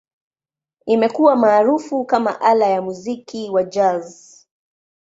Imekuwa maarufu kama ala ya muziki wa Jazz.